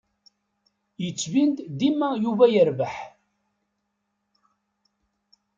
Yettbin-d dima Yuba yerbeḥ.